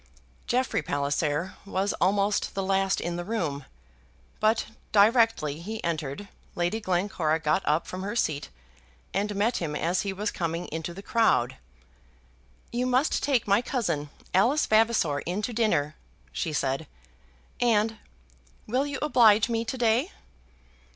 Jeffrey Palliser was almost the last in the room, but directly he entered Lady Glencora got up from her seat, and met him as he was coming into the crowd. "You must take my cousin, Alice Vavasor, in to dinner," she said, "and; will you oblige me to day?"